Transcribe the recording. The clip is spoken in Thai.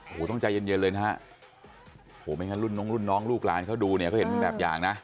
โหต้องใจเย็นเลยนะฮะไม่งั้นรุ่นน้องน้องลูกร้านเขาดูเนี่ยก็เห็นแบบอย่างนะ